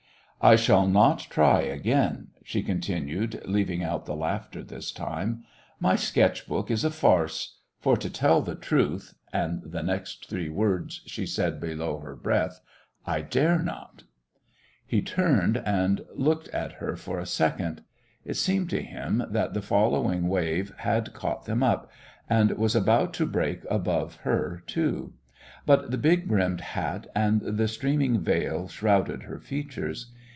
"I shall not try again," she continued, leaving out the laughter this time; "my sketch book is a farce. For, to tell the truth" and the next three words she said below her breath "I dare not." He turned and looked at her for a second. It seemed to him that the following wave had caught them up, and was about to break above her, too. But the big brimmed hat and the streaming veil shrouded her features.